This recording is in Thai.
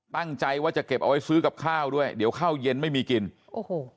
ตั้งใจว่าจะเก็บเอาไว้ซื้อกับข้าวด้วยเดี๋ยวข้าวเย็นไม่มีกินโอ้โห